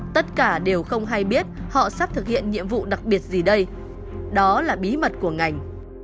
tất cả đều không hay biết họ sắp thực hiện nhiệm vụ đặc biệt gì đây đó là bí mật của ngành